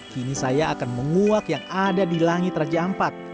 kini saya akan menguak yang ada di langit raja ampat